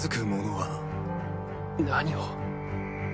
何を？